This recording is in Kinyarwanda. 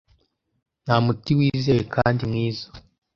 Nta muti wizewe kandi mwiza.